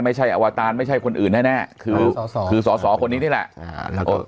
ไม่ใช่อวตารไม่ใช่คนอื่นแน่แน่คือส่อส่อคือส่อส่อคนนี้นี่แหละอ่า